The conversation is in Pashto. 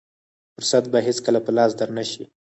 فرصت به هېڅکله په لاس در نه شي.